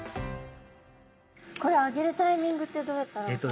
これ上げるタイミングってどうやったら分かるんですか？